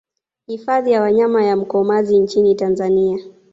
Hifadhi ya wanyama ya Mkomazi nchini Tanzania